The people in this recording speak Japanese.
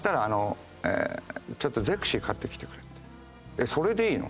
「えっそれでいいの？」